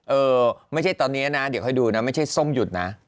เออไม่ใช่ตอนนี้นะเดี๋ยวค่อยดูนะไม่ใช่ส้มหยุดนะ